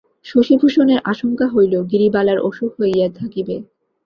শশিভূষণের আশঙ্কা হইল, গিরিবালার অসুখ হইয়া থাকিবে।